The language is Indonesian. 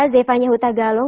zevanya huta galung